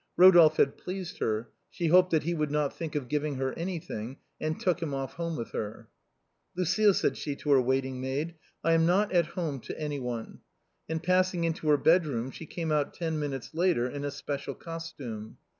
Rodolphe had pleased her, she hoped that he would not think of giving her any thing, and took him off home with her. " Lucile," said slie to her waiting maid, " I am not at home to anyone." And passing into her bedroom, she came out ten minutes later, in a special costume.